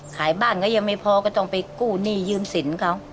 ขายบ้านก็ยังไม่พอก็ต้องไปกู้หนี้ยืมสินเขา